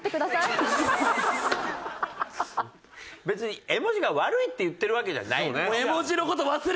別に絵文字が悪いって言ってるわけじゃないのよ。